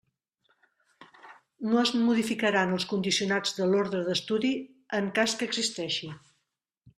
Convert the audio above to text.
No es modificaran els condicionats de l'ordre d'estudi, en cas que existeixi.